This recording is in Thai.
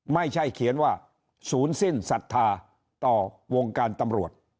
ไม่ใช่เขียนว่าศูนย์สิ้นศรัทธาต่อวงการตำรวจ